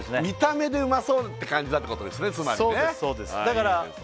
見た目でうまそうって感じたってことですね